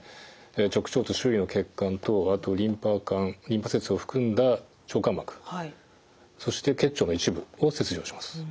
直腸と周囲の血管とあとリンパ管リンパ節を含んだ腸間膜そして結腸の一部を切除します。